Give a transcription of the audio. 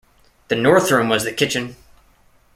The North room was the kitchen.